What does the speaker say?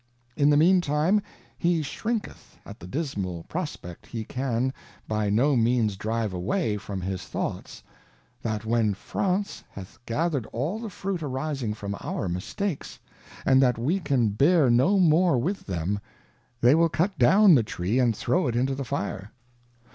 In the mean time, he shrinketh at the dismal prospect he can by no means drive away from his thoughts, that when France hath gathered all the fruit arising from our Mistakes, and that we can of a Trimmer. 97 can bear no more with them, they will cut down the Tree and throw it into the fire.